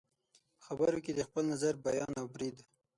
په خبرو کې د خپل نظر بیان او برید